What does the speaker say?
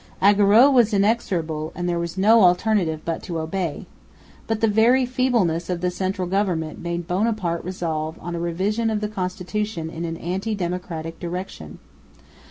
Augereau was inexorable, and there was no alternative but to obey. But the very feebleness of the central government made Bonaparte resolve on a revision of the constitution in an anti democratic direction.